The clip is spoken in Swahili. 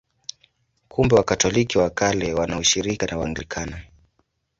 Kumbe Wakatoliki wa Kale wana ushirika na Waanglikana.